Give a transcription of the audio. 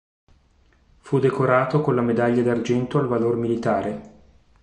Fu decorato con la Medaglia d'argento al valor militare.